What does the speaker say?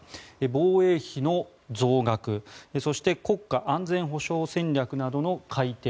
防衛費の増額そして国家安全保障戦略などの改定